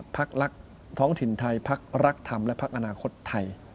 พักรักท้องถิ่นไทยพักรักธรรมและพักอนาคตไทย